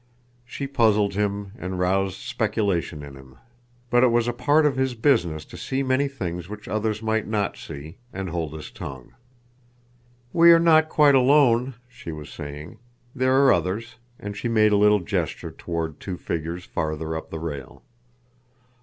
She puzzled him and roused speculation in him. But it was a part of his business to see many things which others might not see—and hold his tongue. "We are not quite alone," she was saying. "There are others," and she made a little gesture toward two figures farther up the rail.